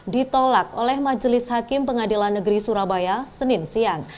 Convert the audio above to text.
ditolak oleh majelis hakim pengadilan negeri surabaya senin siang